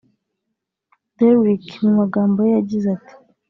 Derick mu magambo ye yagize ati